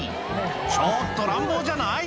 ちょっと乱暴じゃない？